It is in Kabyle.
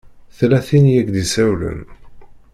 Tella tin i ak-d-isawlen.